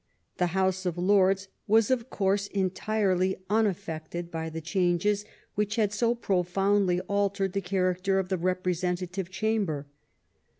The House of Lords was, of course, entirely unaffected by the changes which had so pro foundly altered the character of the Representative Chamber.